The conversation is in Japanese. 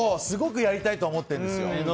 すごくやりたいとは思ってるんです。